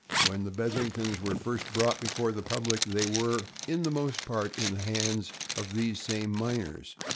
When the Bedlingtons were first brought before the public, they were, in the most part, in the hands of these same miners.